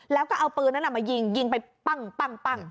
แล้วก็เอาปืนนั้นมายิงยิงไปปั้ง